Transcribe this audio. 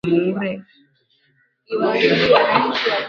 enkephalini hushikamana nayo ina athari katika mfumo wa